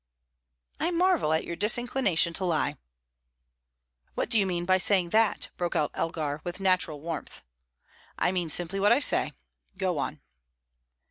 "I marvel at your disinclination to lie." "What do you mean by saying that?" broke out Elgar, with natural warmth. "I mean simply what I say. Go on."